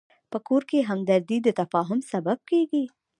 په کور کې همدردي د تفاهم سبب کېږي.